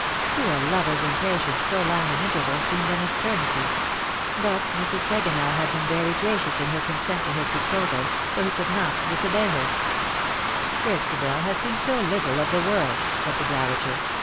To a lover's impatience so long an interval seemed an eternity; but Mrs. Tregonell had been very gracious in her consent to his betrothal, so lie could not disobey her. 136 "the silver answer rang, —" Christabel lias seen so little of the world/'' said the dowager.